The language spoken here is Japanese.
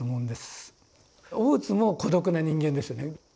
大津も孤独な人間ですよね。